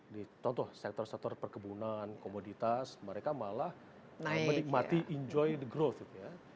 di contoh sektor sektor perkebunan komoditas mereka malah menikmati enjoy the growth ya